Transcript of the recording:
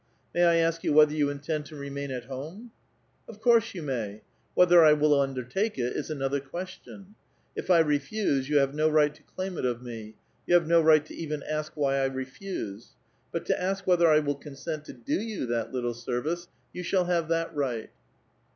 may I ask you whether you intend to remain at home?" *' Of course you may. Whether I will undertake it is^an other question ! If I refuse, you have no right to claim it of me ; you have no right to even ask why I refuse. But to ask whether I will consent to do you that little service — you shall have that right."